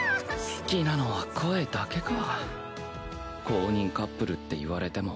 好きなのは声だけか。